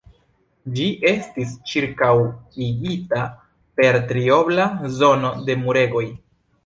Ĝi estis ĉirkaŭigita per triobla zono de muregoj.